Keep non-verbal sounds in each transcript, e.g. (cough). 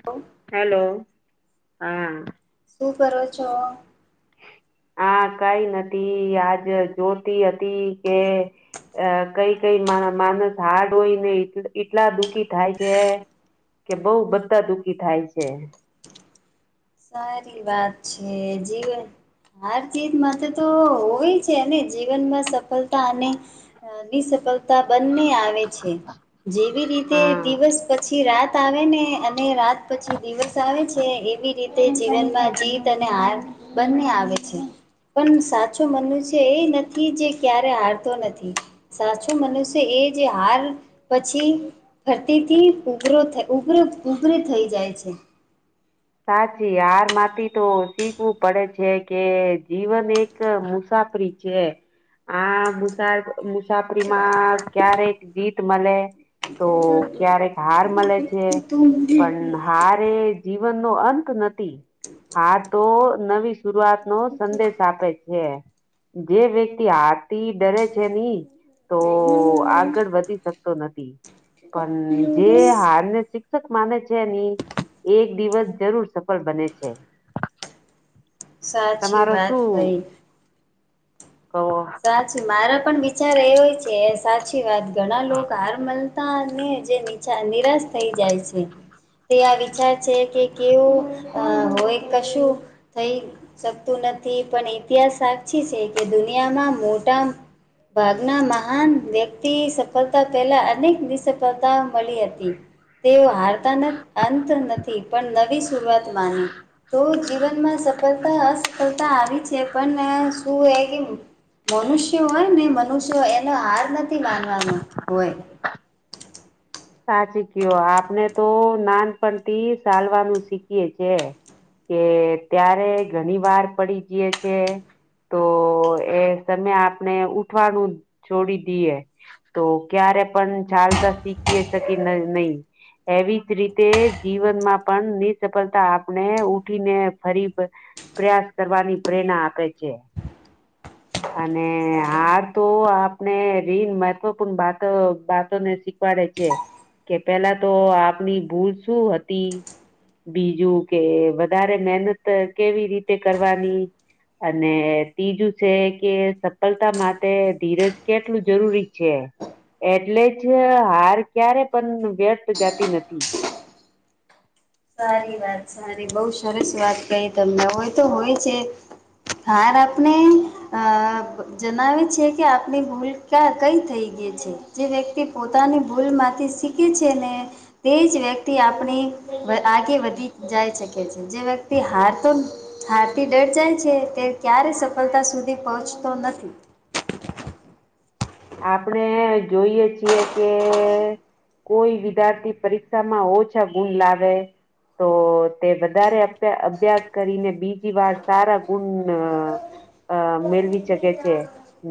(unintelligible) Hello હા. શું કરો છો? હા કઈ નથી આજ જોતી હતી કે અ કઈ કઈ માનસ હાર્ડ હોયને એટલા દુખી થાય છે. કે બઉુ બધા દુઃખી થાય છે. સારી વાત છે જીવન હાર ચીત માટે તો હોય છે, ને જીવનમાં સફળતા અને ની સફળતા બંને આવે છે, જેવી રીતે હા દિવસ પછી રા તા આવે ને અને રાત પછી દિવસ આવે છે એવી રીતે જીવનમાં જીત અને હાર બંને આવે છે. પણ સાચું મનનું છે, એ નથી જે ક્યારે હારતો નથી. સાચું મનુષ્ય એ જે હાર પછી ફરતીથી ઉભરો થ ઉભરો ઉભરી થઈ જાય છે. સાચી હારમાંથી તો શીખવું પડે છે, કે જીવન એક મુસાફરી છે, આ મુસા મુસાફરીમાં ક્યારેક જીત મળે તો ક્યારેક હાર મળે છે, પણ હાર એ જી વન નો અંત નથી. હા તો નવી શરૂઆત નો સંદેશ આપે છે. જે વ્યક્તિ હાર થી ડરે છે ની તો આગળ વધી શકતો નથી. પણ જે હાર ને શિક્ષક માને છે, ની એક દિવસ જરૂર સફળ બને છે. સાચી તમારો વાત શું? કહી. કહો? સાચું મારા પણ વિચાર એવોય છે, સાચી વાત ઘણા લોકો હાર્મલ તા ને જે નિરાશ થઈ જાય છે. તે આ વિચાર છે, કે કેવું હોય કશું થઈ શકતું નથી પણ ઇતિહાસ સાચી છે, કે દુનિયામાં મોટા ભાગના મહાન વ્યક્તિ સફળતા પહેલા અનેક નિસફળતા મળી હતી, તેઓ હારતાના અંત નથી પણ નવી શરૂઆત માની તો જીવનમાં સફળતા અસફળતા આવી છે, પણ શું એ કેમું મનુષ્યો હોય ને મનુષ્યો એનો હાર નથી માનવાનો હોય સાચી કયો આપણે તો નાનપણથી ચાલવાનું શીખીએે છે. કે ત્યારે ઘણી વાર પડી જઈએ છે. તો એ તમે આપણે ઉઠવાનું છોડી દઈએ. તો ક્યારે પણ ચાલતા શીખીએ છે કે નહી એવીજ રીતે જીવનમાં પણ નિ સફળતા આપણે ઉઠીને ફરી પ્રયાસ કરવાની પ્રેરણા આપે છે. અને હાર તો આપણે રીન મહત્વપૂર્ણતોને શીખ પાડે છે કે પેલા તો આપની ભૂલ શું હતી બીજું કે વધારે મહેનત કેવી રીતે કરવાની? અને ત્રીજું છે. કે સફળતા માટે ધીરજ કેટલું જરૂરી છે. એટલે જ હાર ક્યારે પણ વ્યર્થ જતી નથી સારી વાત સારી બઉ સરસ વાત કહી તમને હોય તો હોય છે. હાર આપણે અ જણાવે છે કે આપની ભૂલ ક્યાં કઈ થઈ ગઈ છે જે વ્યક્તિ પોતાની ભૂલમાંથી શીખે છે ને તે જ વ્યક્તિ આપણે આગે વધી જાય શકે છે જે વ્યક્તિ હાર તો હાથી ડર જાય છે તે ક્યારે સફળતા સુધી પહોંચતો નથી. આપણે જોઈએ છીએ કે કોઈ વિદ્યાર્થી પરીક્ષામાં ઓછા ગુણ લાવે તો તે વધારે અભ્યાસ કરીને બીજી વાર સારા ગુણ અ મેળવી શકે છે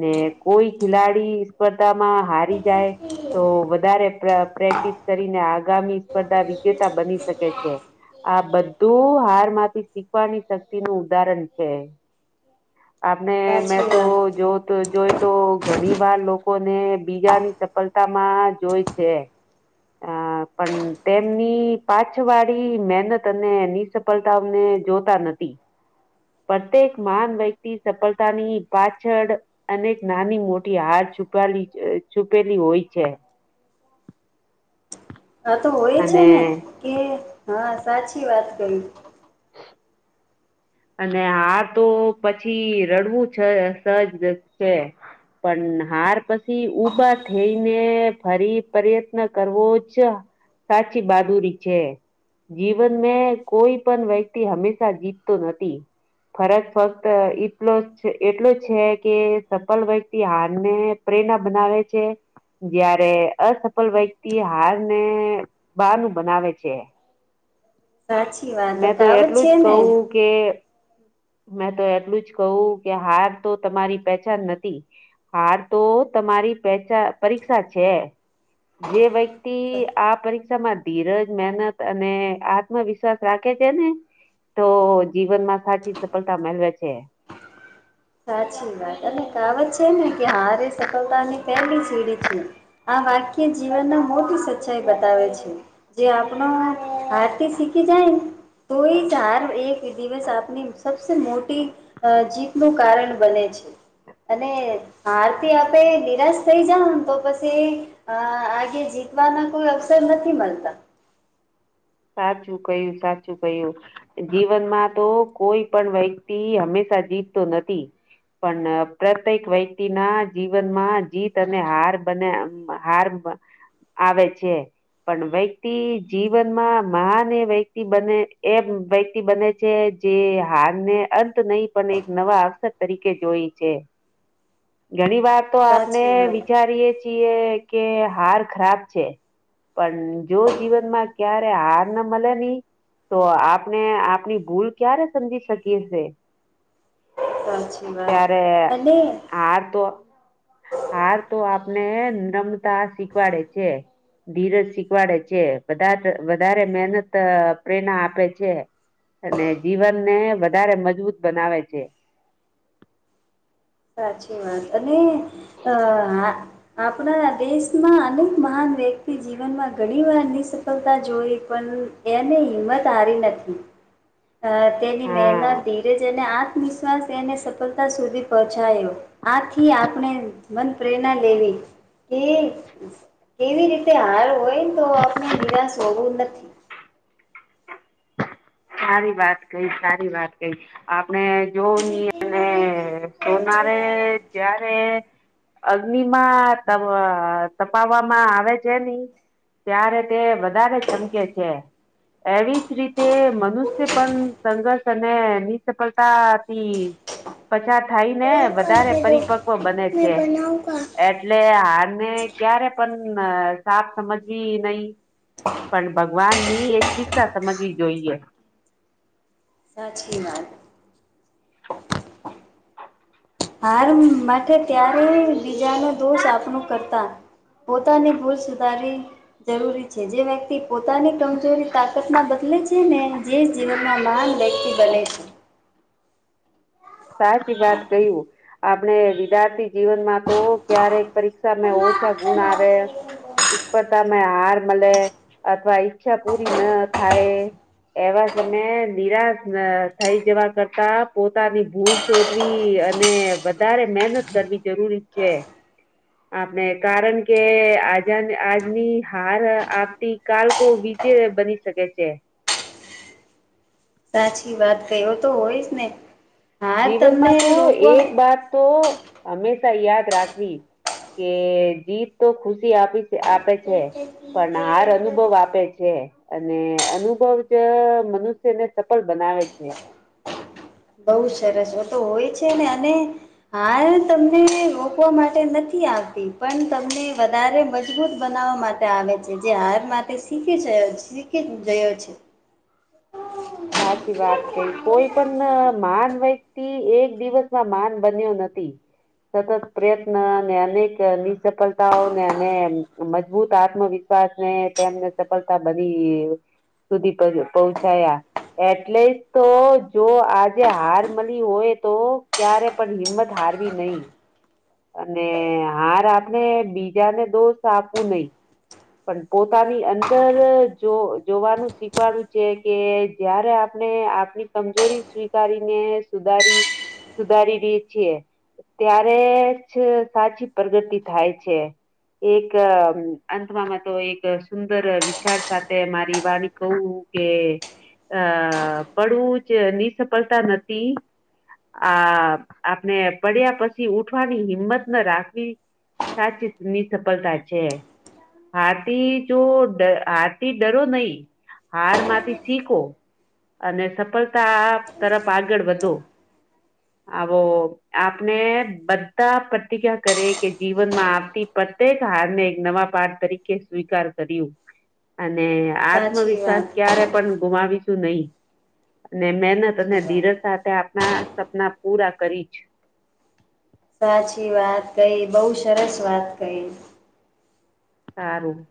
ને કોઈ ખેલાડી સ્પર્ધામાં હારી જાય તો વધારે પ્રેક્ટિસ કરીને આગામી સ્પર્ધા વિજેતા બની શકે છે. આ બધું હાર માંથી શીખવાની શક્તિ નું ઉદાહરણ છે. આપને મેં સાચી તો વાત જો જોય તો ઘણી વાર લોકો ને બીજાની સફળતા માં જોય છે. અ પણ તેમની પાછ વાળી મહેનત અને સફળતા અમને જોતા નથી પ્રત્યેક મહાન વ્યક્તિ સફળતાની પાછળ અને નાની મોટી હાર છુપેલી છુપેલી હોય છે. આ તો હોય છે અને ને કે હા સાચી વાત કરી અને હા તો પછી રડવું છે સહજ છે પણ હાર પછી ભા થઈને ફરી પ્રયત્ન કરવો જ સાચી બહાદુરી છે જીવન મે કોઈ પણ વ્યક્તિ હંમેશા જીત નથી. ફરજ ફક્ત એટલો એટલો છે કે સફલ વ્યક્તિ હારને પ્રેરણા બનાવે છે. જયારે અસફળ વ્યક્તિ હાર ને બાર નું બનાવે છે. સાચી વાત મેં તો કાવત એટલું છે જ ને કહું કે મેં તો એટલું જ કહું કે હાર તો તમારી પચાન નથી હાર તો તમારી પેચા પરીક્ષા છે જે વ્યક્તિ આ પરીક્ષામાં ધીરજ મહેનત અને આ આત્મવિશ્વાસ રાખે છે ને તો જીવનમાં સાચી સફળતા મેળવે છે સાચી વાત અને કાવત છે ને કે હારી સફળતાની પેલી સીડી છે આ વાક્ય જીવનમાં મોટી સચ્ચાઈ બતાવે છે જે આપણ આરતી શીખી જાય તોઈ ચાર એક દિવસ આપની સબસે મોટી અ જીતનો કારણ બને છે. અને આરતી આપે નિરાશ થઈ જાવ ને તો પછી અ આગે જીતવાના કોઈ અવસર નથી મળતા સાચું કયું સાચું કયું જીવનમાં તો કોઈ પણ વ્યક્તિ હંમેશા જીતતો નથી પણ પ્રત્યેક વ્યક્તિ ના જીવનમાં જીત અને હાર બને હાર આવે છે પણ વ્યક્તિ જીવનમાં મહાન એ વ્યક્તિ બને એ વ્યક્તિ બને છે જે હાર ને અંત નહી પણ એક નવા અક્ષર તરીકે જોઈ છે (unintelligible) ઘણી વાર તો આપને સાચી વાત વિચારીએે છી એ કે હાર ખરાબ છે પણ જો જીવનમાં ક્યારે હાર આપને મળે નહી તો આપને આપની ભૂલ ક્યારે સમજી શકીએ છે સાચછી વા અનેને આ તો હાર તો આપને નમતા શીખવાડે છે ધીરજ શીખવાડે છે વધારે મહેનત પ્રેરણા આપે છે અને જીવન ને વધારે મજબૂત બનાવે છે સાચી વાત અને અ આપણા દેશમાં અનેક મહાન વ્યક્તિ જીવનમાં ઘણી વારની સફળતા જોઈ પણ એને હિંમત હારી નથી અ તેની હા. મહેનત ધીરેજ અને આત્મવિશ્વાસ એને સફળતા સુધી પહોંચાયો આથી આપણે મન પ્રેરણા લેવી કે કેવી રીતે હાર હોય ને તો આપણે નિરાશ હોવું નથી સારી વાત કઈ સારી વાત કઈ આપણે જોવું નહી અને સોનારે જ્યારે અગ્નિમાં તપાવવામાં આવે છે નહી ત્યારે તે વધારે ચમકે છે એવીજ રીતે મ મનુષ્ય પણ સંઘર્ષ અને નિસફળતાથી પછાત થાય ને વધારે પરિપક્વ બને છે એટલે હાર ને ક્યારે પણ સાફ સમજવી નહી પણ ભગવાન ની એક શિક્ષા સમજવી જોઈએ સાચી વાત હાર માટે ત્યારેય બીજાનો દોષ આપણ કરતા પોતાની ભૂલ સુધારી જરૂરી છે જે વ્યક્તિ પોતાની કમજોરી તાકાત ના બદલે છે ને જે જીવનમાં મહાન વ્યક્તિ બને છે સાચી વાત કહ્યું આપણે વિદ્યાર્થી જીવનમાં તો ક્યારેક પરીક્ષામાં ઓછા ગુણ આવે સ્પર્ધામાં હાર મળે અથવા ઈચ્છા પૂરી ન થાય એવા સમય નિરાશ થઈ જવા કરતા પોતાની ભૂલ શોધવી અને વધારે મહેહનત કરવી જરૂરી છે આપણે કારણ કે આજ આજની હાર આપતી કળકો વિીજે બની શકે છે સાચી વાત કયો તો હોયશ ને હાર તમને જીવનમાં તો રોકવા એક વાત તો હંમેશા યાદ રાખવી કે જીત તો ખુશી આપી છે આપે છે પર નાર અનુભવ આપે છે. અને, અનુભવ જ મનુષ્યને સફળ બનાવે છે. બઉ સરસ હો તો હોય છે ને, અને હા, તમને રોકવા માટે નથી આવતી, પણ તમને વધારે મજબૂત બનાવવા માટે આવે છે, જે હાર માટે શીખી છે, શીખી ગયો છે. સાચી વાત કઈ, કોઈ પણ માન વ્યક્તિ એક દિવસમાં માન બન્યો નથી. સતત પ્રયત્ન, અને અનેક નિસફળતાઓને, અને મજબૂત આત્મવિશ્વાસ ને તેમને સફલતા બધી સુધી પહો-પહોંચાયા એટલે જ તો, જો આજે હાર મલી હોય, તો ક્યારે. પણ, હિંમત હારવી નહી. અને હાર, આપણે બીજાને દોષ આપવું નહી. પણ, પોતાની અંદર જો જોવાનું શીખવાનું છે કે. ત્યારે આપણે આપની કમજોરી સ્વીકારીને સુધારી. સુધારી રી છીએ ત્યારે જ સાચી પ્રગતિ થાય છે. એક વામાં તો એક સુંદર વિચાર સાથે મારી વાણી કઉ કે અ પડવું જ નિસફલતા નથી. આ આપને પડ્યા પશી ઉઠવાની હિંમત ન રાખવી. સાચી જ નિસફળતા છે. હાથી જો ડ આ થી ડરો નહી, હાર માંથી શીખો. અને સફળતા તરફ આગળ વધો. આવો આપણે બધા પ્રતિજ્ઞા કરીએ કે, જીવનમાં આવતી પત્યેક હારને એક નવા પાઠ તરીકે સ્વીકાર કર્યું અને સાચી આત્મવિશ્વાસ વાત ક્યારે. પણ ગુમાવીશું નહી ને, મેનત અને સાચી વાત ધીરજ સાથે આપણા. સપના પૂરા કરી છ. સાચી વાત કહી, બઉ સરસ વાત કહી. સારું!